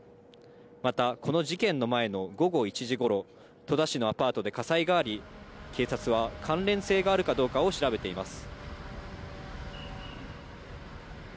また、この事件の前の午後１時ごろ、戸田市のアパートで火災があり、警察は関連性があるかどうかを調べています。